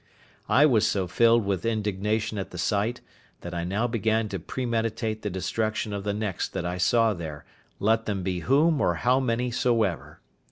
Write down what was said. I was so filled with indignation at the sight, that I now began to premeditate the destruction of the next that I saw there, let them be whom or how many soever.